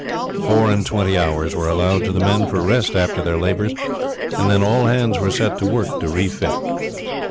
Four and twenty hours were allowed to the men for rest after their labours, and then all hands were set to work to refit.